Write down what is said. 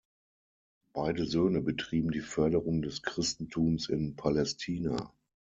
Beide Söhne betrieben die Förderung des Christentums in Palästina.